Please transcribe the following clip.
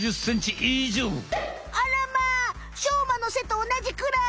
あらまあしょうまのせとおなじくらい！？